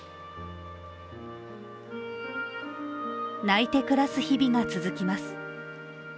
泣いて暮らす日々が続きます。